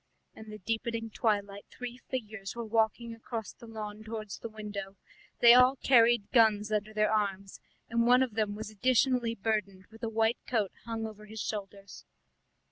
In the deepening twilight three figures were walking across the lawn towards the window; they all carried guns under their arms, and one of them was additionally burdened with a white coat hung over his shoulders.